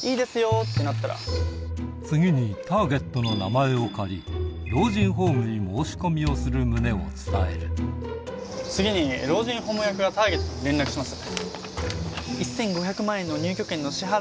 次にターゲットの名前を借り老人ホームに申し込みをする旨を伝える次に老人ホーム役がターゲットに連絡します。